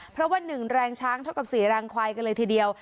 เพราะว่า๑แรงช้างเท่ากับ๔แรงควายกันเลยทีเดียว